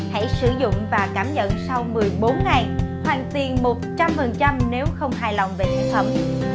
hãy sử dụng và cảm nhận sau một mươi bốn ngày hoàn tiền một trăm linh nếu không hài lòng về chế phẩm